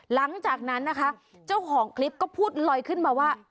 หลังจากนั้นนะคะเจ้าของคลิปก็พูดลอยขึ้นมาว่า